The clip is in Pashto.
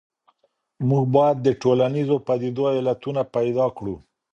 موږ بايد د ټولنيزو پديدو علتونه پيدا کړو.